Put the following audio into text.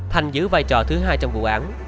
thành giữ vai trò thứ hai trong vụ án